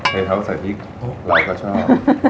ไข่เท้าสะทิกเราก็ชอบ